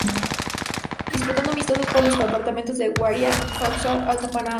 Disputando amistosos por los Departamentos del Guairá, Caaguazú, Alto Paraná.